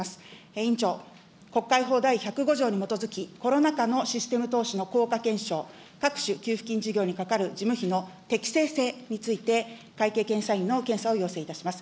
委員長、国会法第１０５条に基づき、コロナ禍のシステム投資の効果検証、各種給付金事業に係る会計検査の適正性について、会計検査院の検査を要請いたします。